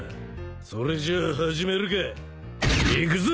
それじゃあ始めるか。いくぞ！